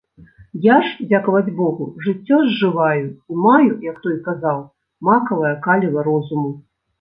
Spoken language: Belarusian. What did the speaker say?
Я ж, дзякаваць богу, жыццё зжываю і маю, як той казаў, макавае каліва розуму.